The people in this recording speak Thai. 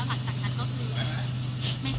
ค่ะใช่ค่ะ